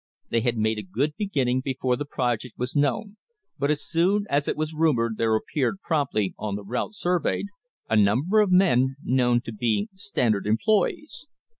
They had made a good begin ning before the project was known, but as soon as it was rumoured there appeared promptly on the route surveyed a number of men known to be Standard employees.